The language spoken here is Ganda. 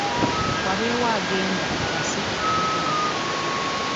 Wabeewo agenda abasse ku bunkenke.